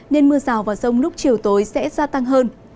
nên mưa rào và rông lúc chiều tối sẽ gia tăng hơn